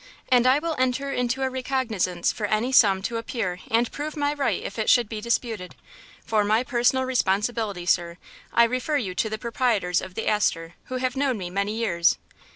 And I will enter into a recognizance for any sum to appear and prove my right if it should be disputed. For my personal responsibility, sir, I refer you to the proprietors of the Astor, who have known me many years."